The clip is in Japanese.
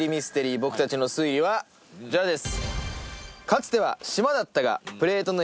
僕たちの推理はこちらです。